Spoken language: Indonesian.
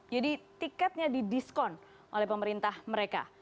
jadi tiketnya di diskon oleh pemerintah mereka